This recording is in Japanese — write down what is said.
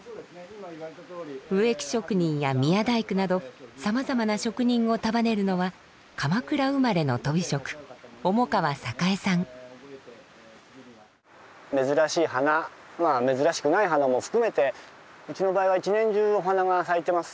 植木職人や宮大工などさまざまな職人を束ねるのは鎌倉生まれの鳶職珍しい花珍しくない花も含めてうちの場合は一年中お花が咲いてます。